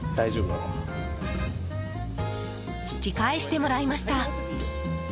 引き返してもらいました。